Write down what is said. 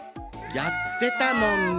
やってたもんね。